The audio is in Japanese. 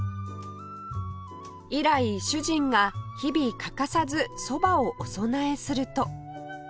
以来主人が日々欠かさずそばをお供えすると